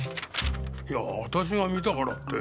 いや私が見たからって。